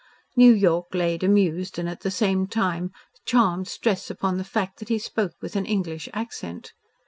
New York laid amused and at the same time, charmed stress upon the fact that he spoke with an "English accent."